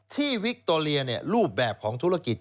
วิคโตเรียรูปแบบของธุรกิจ